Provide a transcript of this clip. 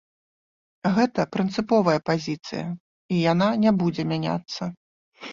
Гэта прынцыповая пазіцыя, і яна не будзе мяняцца.